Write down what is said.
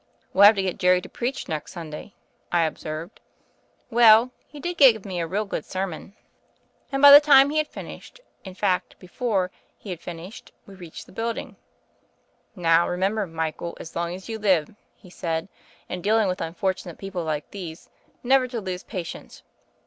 "W'^'ll have to get Jerry to preach next Sun day,'* I observed. ^^ell, he did give me a real good sermon; \ 58 THE FAIRY OF THE SNOWS and by the time he had finished, in fact, before he had finished, we reached the building. *Now, remember, Michael, as long as you live,' he said, 'in dealing with unfortunate people like these, never to lose patience.